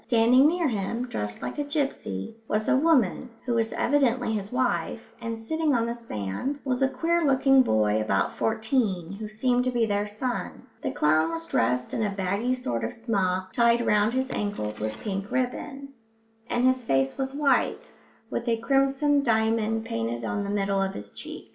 Standing near him, dressed like a gipsy, was a woman, who was evidently his wife, and sitting on the sand was a queer looking boy about fourteen who seemed to be their son. The clown was dressed in a baggy sort of smock, tied round his ankles with pink ribbon, and his face was white, with a crimson diamond painted on the middle of each cheek.